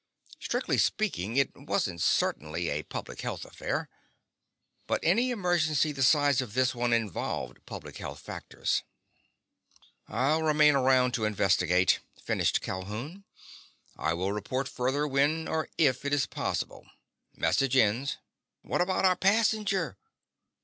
Strictly speaking, it wasn't certainly a public health affair. But any emergency the size of this one involved public health factors. "I'm remaining aground to investigate," finished Calhoun. "I will report further when or if it is possible. Message ends." "What about our passenger?"